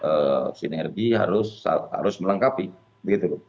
jadi sinergi harus melengkapi